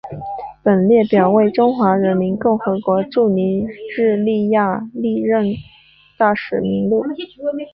本列表为中华人民共和国驻尼日利亚历任大使名录。